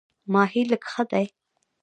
ماهی لږ ښه دی.